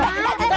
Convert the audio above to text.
kena kena kena